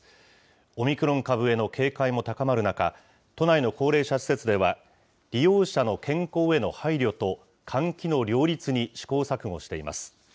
オミクロン株への警戒も高まる中、都内の高齢者施設では、利用者の健康への配慮と換気の両立に試行錯誤しています。